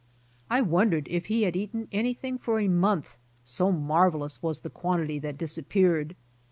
1 wondered if he had eaten anything for a month, so marvelous was the quantity that disappeared.